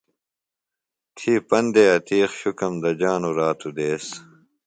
تھی پندے عتیقؔ، شُکم دجانوۡ رات و دیس۔